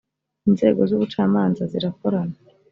inzego z ‘ubucamanza zirakorana.